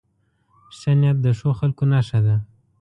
ښه نیت د ښو خلکو نښه ده.